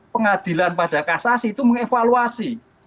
pengadilan pada kasasi itu mengevaluasi